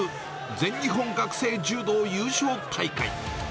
全日本学生柔道優勝大会。